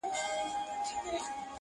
o له ذاته زرغونېږي لطافت د باران یو دی,